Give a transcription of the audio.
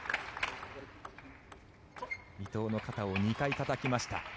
伊藤の肩を２回たたきました。